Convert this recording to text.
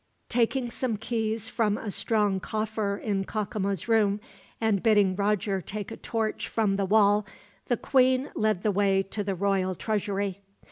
Taking some keys from a strong coffer in Cacama's room, and bidding Roger take a torch from the wall, the queen led the way to the royal treasury.